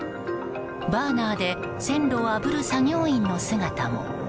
バーナーで線路をあぶる作業員の姿も。